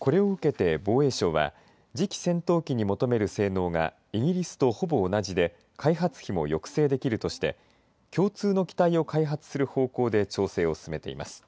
これを受けて防衛省は次期戦闘機に求める性能がイギリスとほぼ同じで開発費も抑制できるとして共通の機体を開発する方向で調整を進めています。